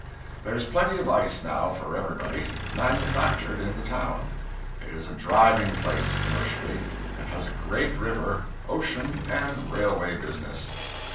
There's plenty of ice now for everybody, manufactured in the town. It is a driving place commercially, and has a great river, ocean, and railway business.